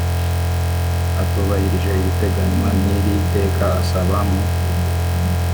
atubahirije ibiteganywa n iri teka asaba mu